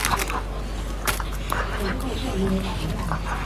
长龙骨黄耆是豆科黄芪属的植物。